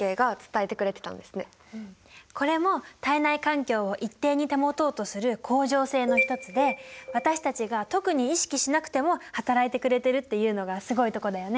これも体内環境を一定に保とうとする恒常性の一つで私たちが特に意識しなくてもはたらいてくれてるっていうのがすごいとこだよね。